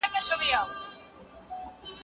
موږ ترازوګان کاروو.